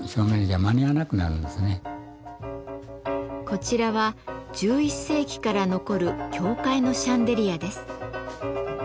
こちらは１１世紀から残る教会のシャンデリアです。